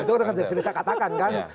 itu sudah saya katakan kan